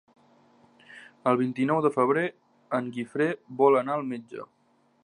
El vint-i-nou de febrer en Guifré vol anar al metge.